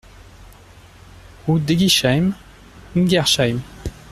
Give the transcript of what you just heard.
Route d'Éguisheim, Ingersheim